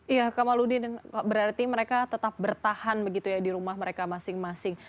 iya kamaludin berarti mereka tetap bertahan begitu ya di rumah mereka masing masing